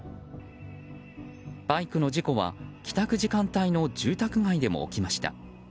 バイクの事故は、帰宅時間帯の住宅街でも起きました。